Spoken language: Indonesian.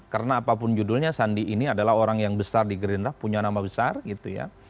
karena apapun judulnya sandi ini adalah orang yang besar di gerindra punya nama besar gitu ya